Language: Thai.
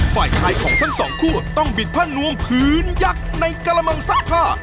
ฝ่ายชายของทั้งสองคู่ต้องบิดผ้านวงพื้นยักษ์ในกระมังซักผ้า